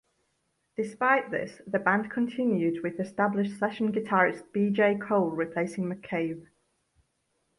Despite this, the band continued with established session guitarist B. J. Cole replacing McCabe.